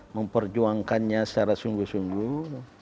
memperjuangkannya secara sungguh sungguh